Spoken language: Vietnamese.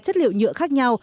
chất liệu nhựa khác nhau